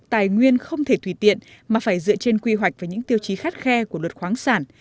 khai thác tài nguyên không thể tùy tiện mà phải dựa trên quy hoạch và những tiêu chí khát khe của luật khoáng sản